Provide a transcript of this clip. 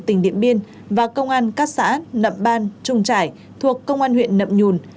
tỉnh điện biên và công an các xã nậm ban trung trải thuộc công an huyện nậm nhùn